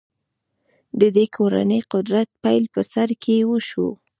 د دې کورنۍ قدرت پیل په سر کې وشو.